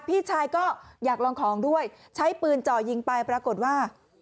พี่ชายก็อยากลองของด้วยใช้ปืนเจาะยิงไปปรากฏว่า